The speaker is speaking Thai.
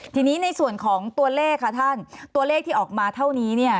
ทีนี้ในส่วนของตัวเลขค่ะท่านตัวเลขที่ออกมาเท่านี้เนี่ย